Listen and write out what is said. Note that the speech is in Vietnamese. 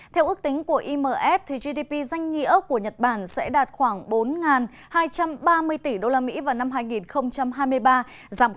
theo ước tính của imf gdp danh nghĩa của nhật bản sẽ đạt khoảng bốn hai trăm ba mươi tỷ usd vào năm hai nghìn hai mươi ba giảm bốn